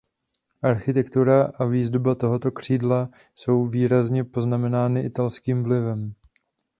Architektura a výzdoba tohoto křídla jsou výrazně poznamenány italským vlivem.